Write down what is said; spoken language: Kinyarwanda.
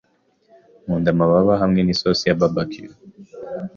Nkunda amababa yinkoko hamwe na sosi ya barbeque.